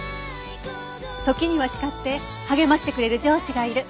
時には叱って励ましてくれる上司がいる。